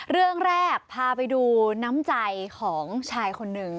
เรื่องแรกพาไปดูน้ำใจของชายคนหนึ่ง